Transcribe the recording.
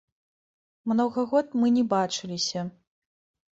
Многа год мы не бачыліся.